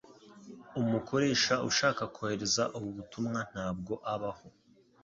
Umukoresha ushaka kohereza ubu butumwa ntabwo abaho